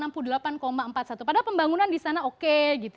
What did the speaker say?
padahal pembangunan di sana oke